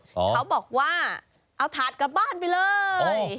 เขาบอกว่าเอาถาดกลับบ้านไปเลย